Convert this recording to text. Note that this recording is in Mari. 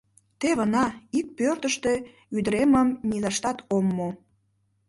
Теве на — ик пӧртыштӧ ӱдыремым низаштат ом му...